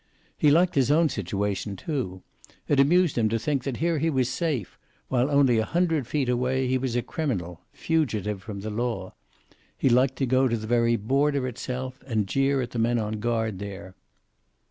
He liked his own situation, too. It amused him to think that here he was safe, while only a hundred feet away he was a criminal, fugitive from the law. He liked to go to the very border itself, and jeer at the men on guard there.